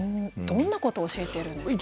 どんなことを教えてるんですか？